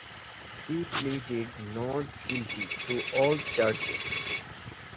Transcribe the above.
He pleaded not guilty to all charges.